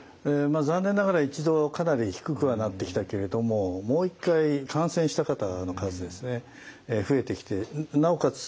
残念ながら一度かなり低くはなってきたけれどももう一回感染した方の数ですね増えてきてなおかつ